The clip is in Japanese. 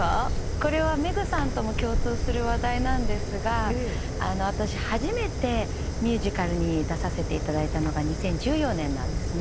これはめぐさんとも共通する話題なんですがあたし初めてミュージカルに出させていただいたのが２０１４年なんですね。